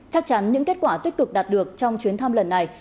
chắc chắn những kết quả tích cực đạt được trong chuyến thăm lần này